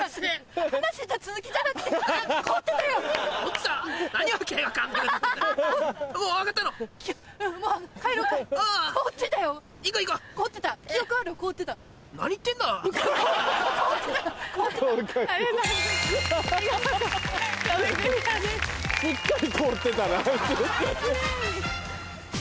しっかり凍ってたなあいつ。